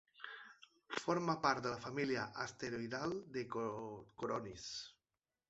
Forma part de la família asteroidal de Coronis.